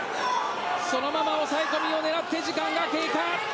そのまま抑え込みを狙って時間が経過。